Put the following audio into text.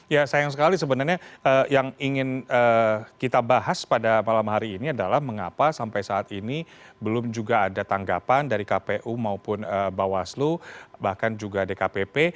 ya sayang sekali sebenarnya yang ingin kita bahas pada malam hari ini adalah mengapa sampai saat ini belum juga ada tanggapan dari kpu maupun bawaslu bahkan juga dkpp